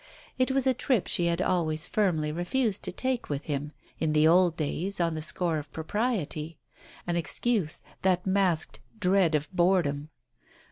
It was a trip she had always firmly refused to take with him in the old days on the score of propriety, an excuse that masked dread of boredom.